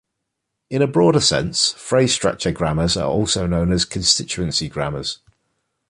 In a broader sense, phrase structure grammars are also known as "constituency grammars".